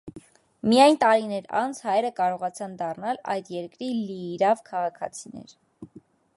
Միայն տարիներ անց հայերը կարողացան դառնալ այդ երկրների լիիրավ քաղաքացիներ։